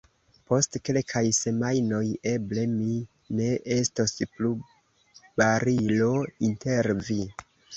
Post kelkaj semajnoj eble mi ne estos plu barilo inter vi.